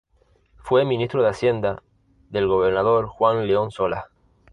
Fue Ministro de Hacienda del gobernador Juan León Solas.